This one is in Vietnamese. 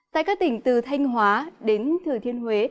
tại các tỉnh từ thanh hóa đến thừa thiên huế